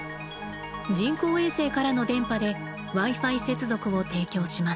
人工衛星からの電波でＷｉ−Ｆｉ接続を提供します。